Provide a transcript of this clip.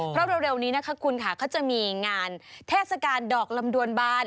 เพราะเร็วนี้นะคะคุณค่ะเขาจะมีงานเทศกาลดอกลำดวนบาน